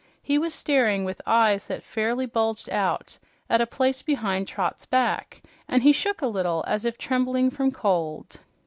He was staring with eyes that fairly bulged out at a place behind Trot's back, and he shook a little, as if trembling from cold.